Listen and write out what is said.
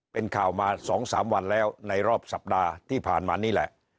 เป็นข่าวมา๒๓วันแล้วในรอบสัปดาห์ที่ผ่านมานี่แหละ